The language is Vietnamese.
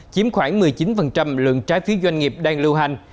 chiếm khoảng một mươi chín lượng trái phiếu doanh nghiệp đang lưu hành